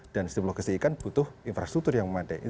dan sistem logistik ikan butuh infrastruktur yang memadai